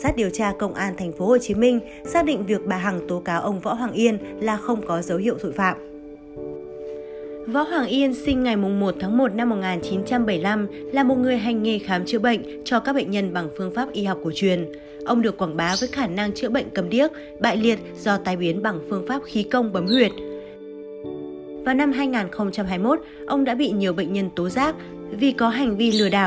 ban đầu võ hoàng yên được biết đến là người thường chữa bệnh cho các bệnh nhân bằng phương pháp khí công y đạo là chủ yếu